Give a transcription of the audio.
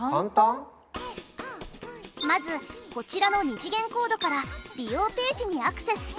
まずこちらの２次元コードから利用ページにアクセス。